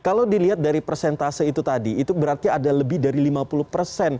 kalau dilihat dari persentase itu tadi itu berarti ada beberapa yang memang belum divaksin lengkap